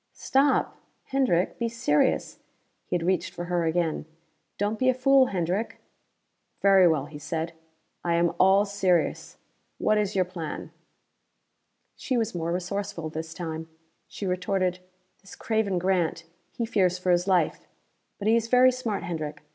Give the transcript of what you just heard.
"Stop! Hendrick, be serious!" He had reached for her again. "Don't be a fool, Hendrick." "Very well," he said. "I am all serious. What is your plan?" She was more resourceful this time. She retorted, "This craven Grant, he fears for his life but he is very smart, Hendrick.